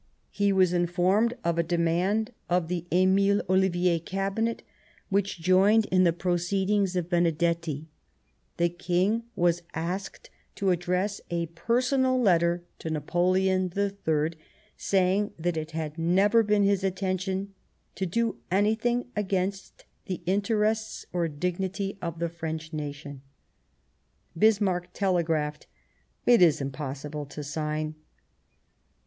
He was informed of a demand of the Emile Ollivier Cabinet which joined in the proceedings of Bene detti : the King was asked to address a personal letter to Napoleon III, saying that it had never been his intention "to do anything against the interests or dignity of the French nation." Bismarck telegraphed :" It is impossible to sign."